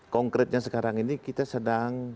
konkretnya sekarang ini kita sedang